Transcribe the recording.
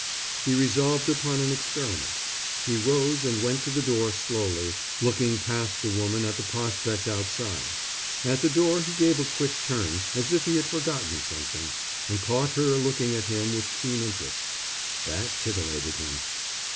He resolved upon an experiment. He rose and went to the door slowly, looking past the woman at the prospect outside. At the door he gave a quick turn, as if he had forgotten something, and caught her looking at him with keen interest. That titillated him.